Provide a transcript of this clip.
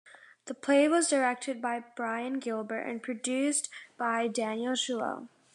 The play was directed by Brian Gilbert and produced by Daniel Jewel.